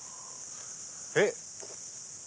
えっ？